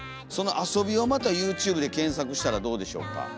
その遊びをまたＹｏｕＴｕｂｅで検索したらどうでしょうか。